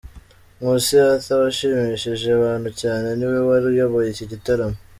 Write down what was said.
Nkusi Arthur washimishije abantu cyane niwe wari uyoboye iki gitaramo.